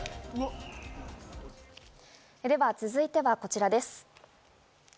では、続いてはこちらです。